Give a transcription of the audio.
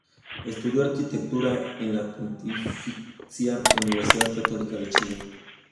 Estudió arquitectura en la Pontificia Universidad Católica de Chile.